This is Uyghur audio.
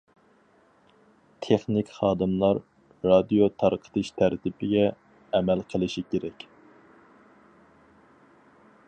تېخنىك خادىملار رادىيو تارقىتىش تەرتىپىگە ئەمەل قىلىشى كېرەك.